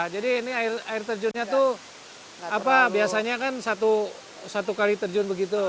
jadi ini air terjunnya tuh apa biasanya kan satu kali terjun begitu